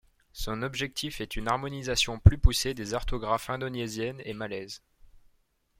Son objectif est une harmonisation plus poussée des orthographes indonésienne et malaise.